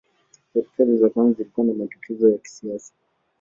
Serikali za kwanza zilikuwa na matatizo ya kisiasa.